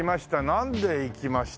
なんで行きましたっけ？